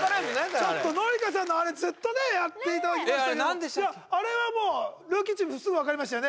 ちょっと紀香さんのあれずっとねやっていただきましたけれども・あれ何でしたっけいやあれはもうルーキーチームすぐ分かりましたよね・